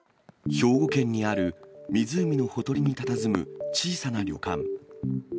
兵庫県にある湖のほとりにたたずむ小さな旅館。